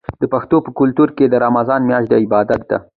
د پښتنو په کلتور کې د رمضان میاشت د عبادت ده.